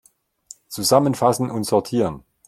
Zusammenfassen und sortieren!